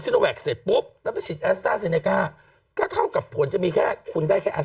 เสร็จปุ๊ปแล้วไปก็เท่ากับผลจะมีแค่คุณได้แค่